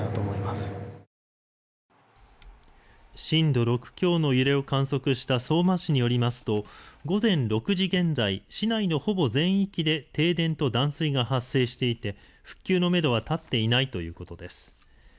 震度６強の揺れを観測した相馬市によりますと午前６時現在、市内のほぼ全域で停電と断水が発生していて復旧のめどは立っていないということです。